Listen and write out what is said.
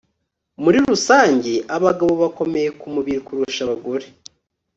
Muri rusange abagabo bakomeye kumubiri kurusha abagore